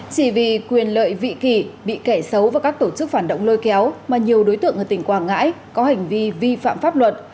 chỉ vì quyền lợi vị kỳ bị kẻ xấu và các tổ chức phản động lôi kéo mà nhiều đối tượng ở tỉnh quảng ngãi có hành vi vi phạm pháp luật